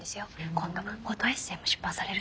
今度フォトエッセーも出版されるそうで。